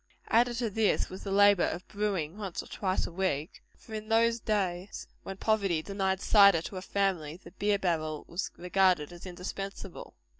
Added to all this, was the labor of brewing once or twice a week; for in those days, when poverty denied cider to a family, the beer barrel was regarded as indispensable.